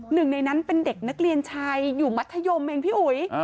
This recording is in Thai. หนึ่งในนั้นเป็นเด็กนักเรียนชายอยู่มัธยมเองพี่อุ๋ย